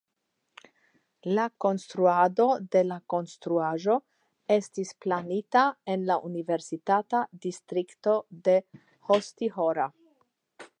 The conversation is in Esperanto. La konstruado de la konstruaĵo estis planita en la universitata distrikto de Hostihora.